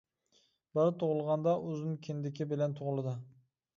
بالا تۇغۇلغاندا ئۇزۇن كىندىكى بىلەن تۇغۇلىدۇ.